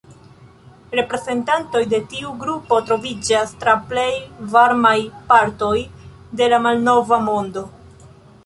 Reprezentantoj de tiu grupo troviĝas tra plej varmaj partoj de la Malnova Mondo.